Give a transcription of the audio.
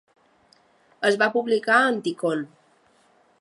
Es va publicar a Anticon.